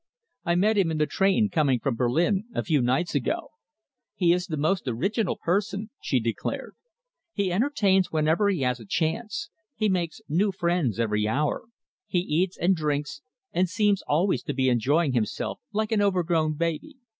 "I met him in the train coming from Berlin, a few nights ago." "He is the most original person," she declared. "He entertains whenever he has a chance; he makes new friends every hour; he eats and drinks and seems always to be enjoying himself like an overgrown baby.